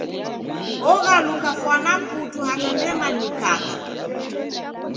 Oghaluka fwana putu hata ndemanyikagha.